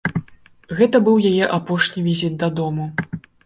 Гэта быў яе апошні візіт дадому.